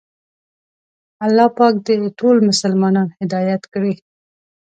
الله پاک دې ټول مسلمانان هدایت کړي.